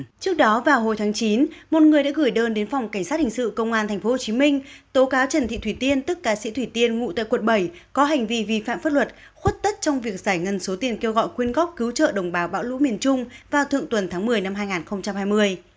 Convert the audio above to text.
trước đó vào hồi tháng chín một người đã gửi đơn đến phòng cảnh sát hình sự công an tp hcm tố cáo trần thị thủy tiên tức cá sĩ thủy tiên ngụ tại quận bảy có hành vi vi phạm pháp luật khuất tất trong việc giải ngân số tiền kêu gọi quyên góp cứu trợ đồng bào bão lũ miền trung vào thượng tuần tháng một mươi năm hai nghìn hai mươi